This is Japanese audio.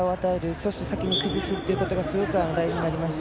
そして先に崩すっていうことがすごく大事なります。